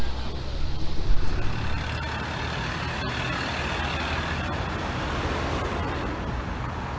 อุ๊ยรับทราบ